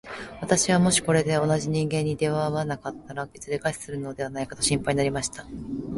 私はもしこれで同じ人間に出会わなかったら、いずれ餓死するのではないかと心配になりました。